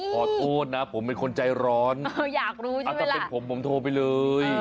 ขอโทษนะผมเป็นคนใจร้อนอาจจะเป็นผมผมโทรไปเลย